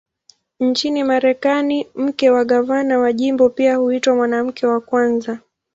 Nchini Marekani, mke wa gavana wa jimbo pia huitwa "Mwanamke wa Kwanza".